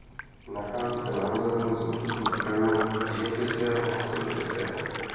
Nachází se na rozhraní současných krajů Jihočeského a Středočeského.